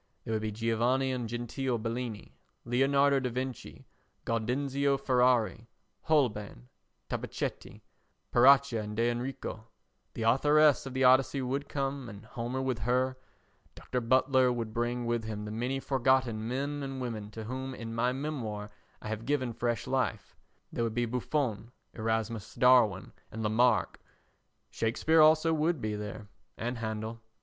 There would be Giovanni and Gentile Bellini, Leonardo da Vinci, Gaudenzio Ferrari, Holbein, Tabachetti, Paracca and D'Enrico; the Authoress of the Odyssey would come and Homer with her; Dr. Butler would bring with him the many forgotten men and women to whom in my memoir I have given fresh life; there would be Buffon, Erasmus Darwin and Lamarck; Shakespeare also would be there and Handel.